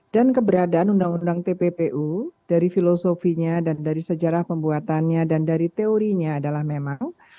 dan keberadaan undang undang tppu dari filosofinya dan dari sejarah pembuatannya dan dari teorinya adalah memang